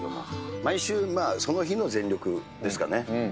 毎週、その日の全力ですかね。